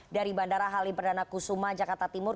dari bandara halim perdana kusuma jakarta timur